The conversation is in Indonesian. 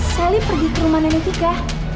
sally pergi ke rumah neneknya